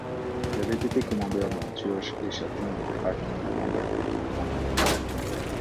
Il avait été commandeur d'Antioche et châtelain du Krak avant d’être élu grand maître.